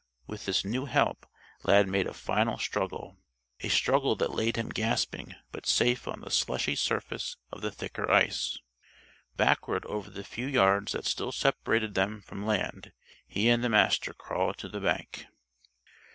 With this new help, Lad made a final struggle a struggle that laid him gasping but safe on the slushy surface of the thicker ice. Backward over the few yards that still separated them from land he and the Master crawled to the bank.